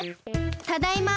ただいま。